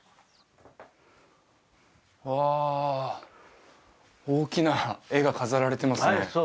あ大きな絵が飾られてますねはい